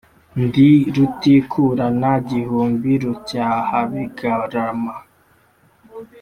Ndi rutikurana gihumbi, rucyahabigarama,